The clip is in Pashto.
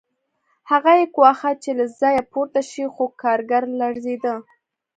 هغه یې ګواښه چې له ځایه پورته شي خو کارګر لړزېده